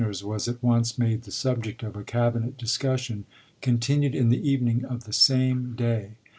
ers was at once made the subject of a Cabinet discussion, continued in the evening of the same day.